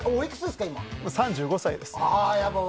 ３５歳です。